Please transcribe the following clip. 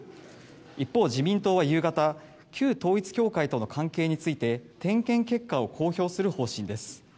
一方、自民党は夕方旧統一教会との関係について点検結果を公表する方針です。